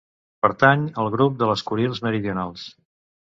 Pertany al grup de les Kurils meridionals.